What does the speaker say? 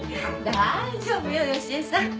大丈夫よ良恵さん。